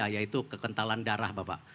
yaitu kekentalan darah bapak